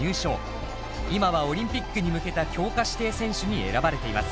今はオリンピックに向けた強化指定選手に選ばれています。